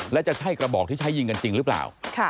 แล้วจะใช่กระบอกที่ใช้ยิงกันจริงหรือเปล่า